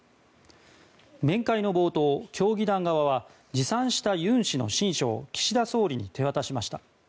面会の冒頭、協議団側は持参した尹氏の親書を岸田総理に手渡しました。